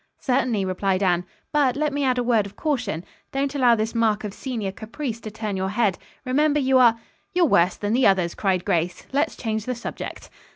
"Certainly," replied Anne. "But let me add a word of caution. Don't allow this mark of senior caprice to turn your head. Remember you are " "You're worse than the others," cried Grace, "Let's change the subject."